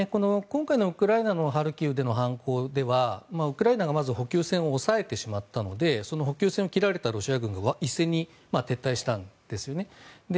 今回のウクライナのハルキウでの反攻ではウクライナがまず補給線を押さえてしまったのでその補給線を切られたロシア軍が一斉に撤退したんですね。